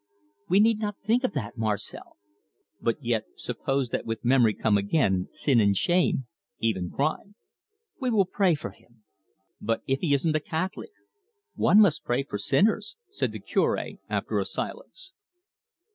"We need not think of that, Marcel." "But yet suppose that with memory come again sin and shame even crime?" "We will pray for him." "But if he isn't a Catholic?" "One must pray for sinners," said the Curb, after a silence.